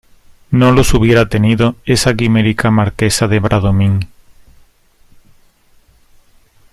no los hubiera tenido esa quimérica Marquesa de Bradomín.